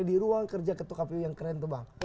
di ruang kerja ketua kpu yang keren tuh bang